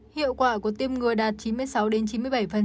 hiệu quả của tiêm ngừa đạt chín mươi sáu đến chín mươi bảy